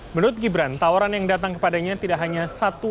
menurut gibran tawaran yang datang kepadanya tidak hanya satu